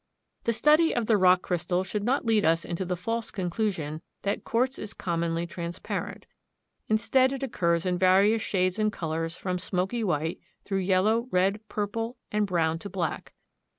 The study of the rock crystal should not lead us into the false conclusion that quartz is commonly transparent. Instead it occurs in various shades and colors from smoky white through yellow, red, purple, and brown to black.